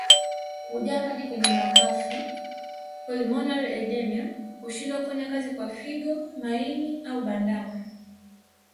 Kujaa maji kwenye mapafu pulmonary edema Kushindwa kufanya kazi kwa figo maini au bandama